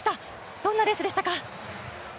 どんなレースでしたか？